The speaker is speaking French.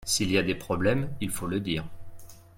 S'il y a des problèmes il faut le dire.